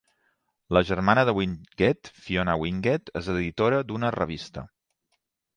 La germana de Wingett, Fiona Wingett, és editora d'una revista.